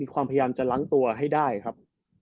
ความพยายามจะล้างตัวให้ได้ครับ